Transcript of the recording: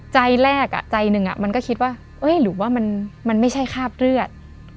ใจแรกใจหนึ่งมันก็คิดว่าหรือว่ามันไม่ใช่คราบเลือด